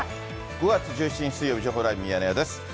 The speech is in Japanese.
５月１７日水曜日、情報ライブミヤネ屋です。